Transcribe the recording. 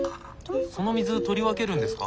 その水取り分けるんですか？